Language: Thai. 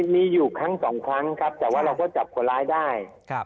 มีอยู่ครั้งสองครั้งครับแต่ว่าเราก็จับคนร้ายได้